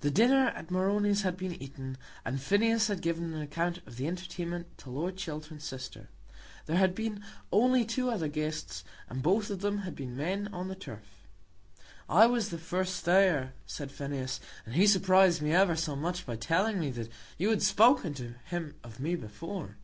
The dinner at Moroni's had been eaten, and Phineas had given an account of the entertainment to Lord Chiltern's sister. There had been only two other guests, and both of them had been men on the turf. "I was the first there," said Phineas, "and he surprised me ever so much by telling me that you had spoken to him of me before."